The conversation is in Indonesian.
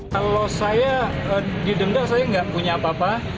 kalau saya di denda saya tidak punya apa apa